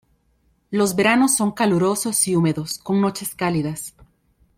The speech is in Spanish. Los veranos son calurosos y húmedos, con noches cálidas.